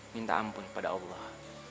minta ampun kepada allah